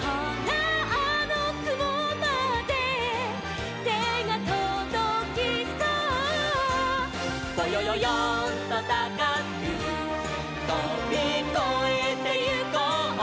「ぼよよよんとたかくとびこえてゆこう」